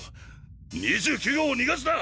２９号を逃がすな！